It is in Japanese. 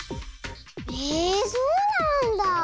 へえそうなんだあ。